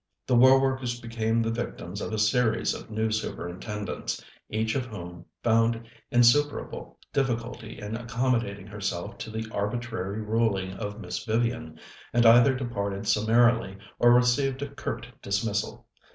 The war workers became the victims of a series of new superintendents, each of whom found insuperable difficulty in accommodating herself to the arbitrary ruling of Miss Vivian, and either departed summarily or received a curt dismissal.